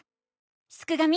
すくがミ！